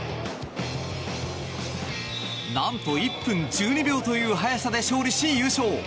なんと、１分１２秒という速さで勝利し優勝。